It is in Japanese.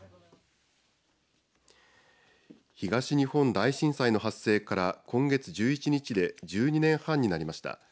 東日本大震災の発生から今月１１日で１２年半になりました。